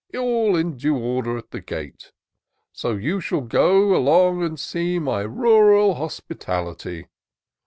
All in due order at the gate: So you shall go along and see My rural hospitality.